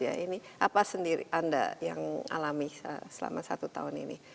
apa sendiri anda yang alami selama satu tahun ini